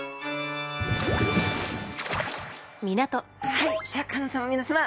はいシャーク香音さま皆さま。